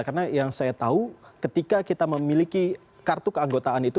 karena yang saya tahu ketika kita memiliki kartu keanggotaan itu